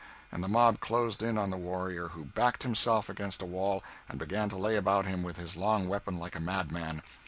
and the mob closed in on the warrior, who backed himself against a wall and began to lay about him with his long weapon like a madman.